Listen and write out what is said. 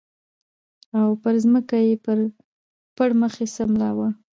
او پر ځمکه یې پړ مخې سملاوه